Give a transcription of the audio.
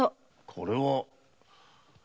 これは！